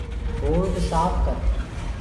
دورڊ سآڦ ڪر۔